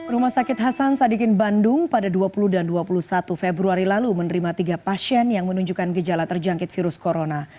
rumah sakit hasan sadikin bandung pada dua puluh dan dua puluh satu februari lalu menerima tiga pasien yang menunjukkan gejala terjangkit virus corona